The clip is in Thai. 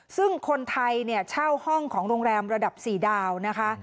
ซึ่งคนไทยเนี่ยเช่าห้องของโรงแรมระดับ๔ดาวนะคะ